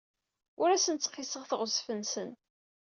Ur asen-ttqissiɣ teɣzef-nsen.